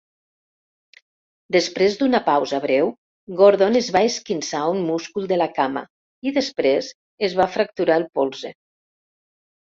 Després d'una pausa breu, Gordon es va esquinçar un múscul de la cama i després es va fracturar el polze.